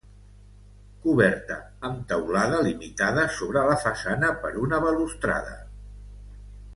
Coberta amb teulada, limitada sobre la façana per una balustrada.